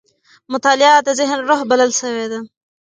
مطالعه د ذهن روح بلل سوې ده.